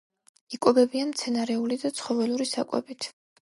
იკვებებიან მცენარეული და ცხოველური საკვებით.